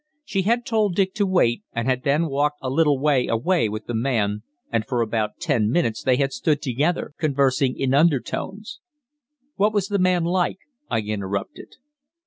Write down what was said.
She had told Dick to wait, and had then walked a little way away with the man, and for about ten minutes they had stood together, conversing in undertones. "What was the man like?" I interrupted.